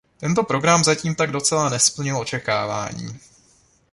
Tento program zatím tak docela nesplnil očekávání.